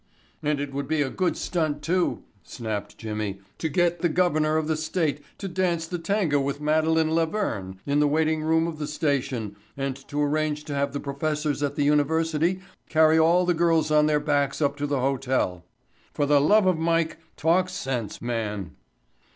"And it would be a good stunt, too," snapped Jimmy, "to get the Governor of the State to dance the tango with Madeline La Verne in the waiting room of the station and to arrange to have the professors at the university carry all the girls on their backs up to the hotel. For the love of Mike, talk sense, man."